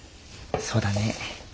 そうだね。